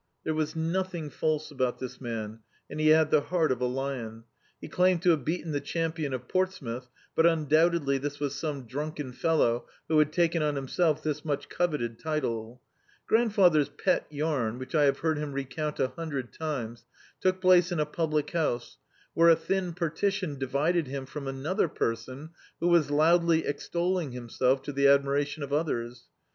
There was noth ing false about this man, and he had the heart of a Hon. He claimed to have beaten the champion of Portsmouth, but undoubtedly this was some drunken fellow who had taken on himself this much coveted title. Grandfather's pet yam, which I have heard him recount a hundred times, took place in a public house, where a thin partition divided him from another person who was loudly extolling him self to the adbiiration of others.